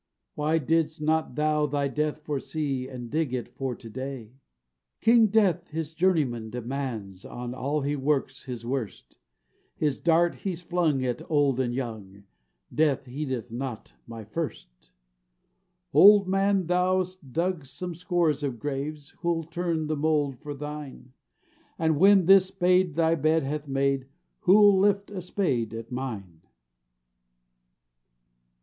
Why didst not thou thy death foresee, And dig it for to day? King Death his journeyman demands, On all he works his worst: His dart he's flung at old and young,— Death heedeth not my first. Old man, thou'st dug some scores of graves, Who'll turn the mould for thine? And when this spade thy bed hath made, Who'll lift a spade at mine?